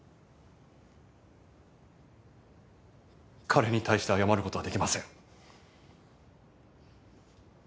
彼に対して謝る事はできません。